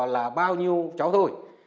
là bao nhiêu cháu thôi